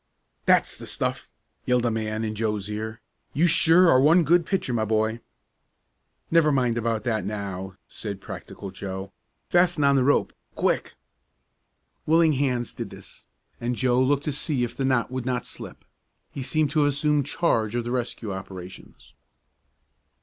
"That's the stuff!" yelled a man in Joe's ear. "You sure are one good pitcher, my boy!" "Never mind about that now," said the practical Joe. "Fasten on the rope. Quick!" Willing hands did this, and Joe looked to see if the knot would not slip. He seemed to have assumed charge of the rescue operations.